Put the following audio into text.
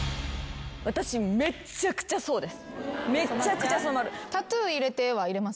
私めっちゃくちゃそうです。